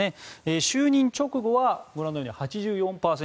就任直後はご覧のように８４％